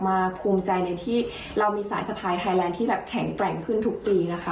ภูมิใจในที่เรามีสายสะพายไทยแลนด์ที่แบบแข็งแกร่งขึ้นทุกปีนะคะ